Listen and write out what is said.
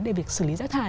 để việc xử lý rác thải